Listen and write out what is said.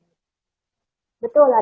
betul ada nasib anarkis di sana